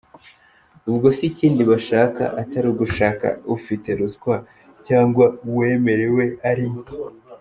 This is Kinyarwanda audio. Ubwo se ikindi bashaka atari ugushaka ufite ruswa cyangwa uwemerewe ari iki?.